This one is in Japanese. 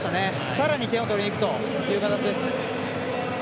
さらに点を取りにいくという形です。